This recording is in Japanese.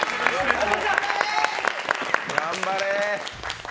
頑張れ。